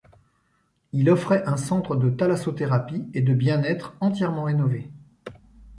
Il offrait un centre de thalassothérapie et de bien-être entièrement rénové.